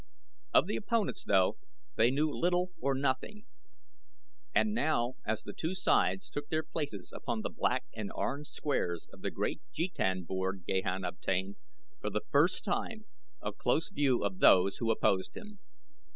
Of the opponents, though, they knew little or nothing, and now as the two sides took their places upon the black and orange squares of the great jetan board Gahan obtained, for the first time, a close view of those who opposed him.